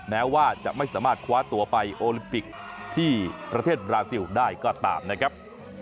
แม้ว่าจะไม่สามารถคว้าตัวไปโอลิมปิกที่ประเทศบราซิลได้ก็ตามนะครับ